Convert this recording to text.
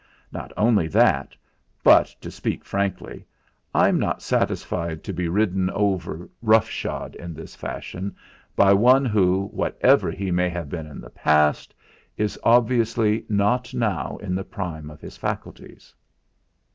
Not only that; but, to speak frankly, I'm not satisfied to be ridden over roughshod in this fashion by one who, whatever he may have been in the past, is obviously not now in the prime of his faculties."